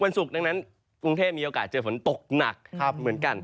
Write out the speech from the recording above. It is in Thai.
ศุกร์ดังนั้นกรุงเทพมีโอกาสเจอฝนตกหนักเหมือนกัน